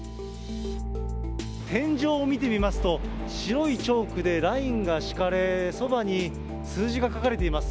天井を見てみますと、白いチョークでラインが引かれ、そばに数字が書かれています。